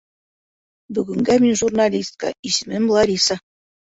Бөгөнгә мин журналистка, исемем -Лариса!